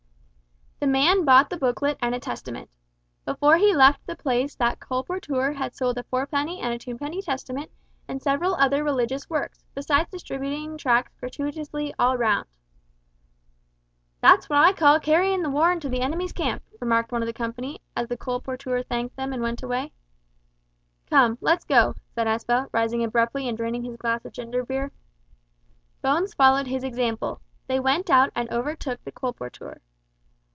The man bought the booklet and a Testament. Before he left the place that colporteur had sold a fourpenny and a twopenny Testament, and several other religious works, beside distributing tracts gratuitously all round. [See Report of "The Christian Colportage Association for England," 1879, page 12.] "That's what I call carryin' the war into the enemy's camp," remarked one of the company, as the colporteur thanked them and went away. "Come, let's go," said Aspel, rising abruptly and draining his glass of ginger beer. Bones followed his example. They went out and overtook the colporteur.